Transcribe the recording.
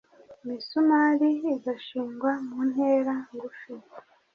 imisumari igashyirwa mu ntera ngufi